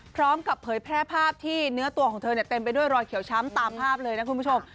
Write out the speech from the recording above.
พร้อมกับเผยแพร่ภาพที่เนื้อตัวของเธอเต็มไปด้วยรอยเขียวช้ำตามภาพเลยนะคุณผู้ชม